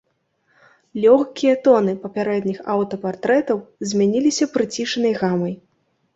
Лёгкія тоны папярэдніх аўтапартрэтаў змяніліся прыцішанай гамай.